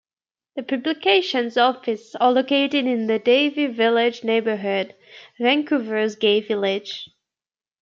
The publication's offices are located in the Davie Village neighbourhood, Vancouver's gay village.